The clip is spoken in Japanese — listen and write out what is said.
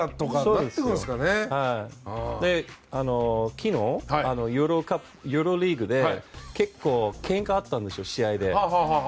昨日、ユーロリーグで結構けんかがあったんです、試合で。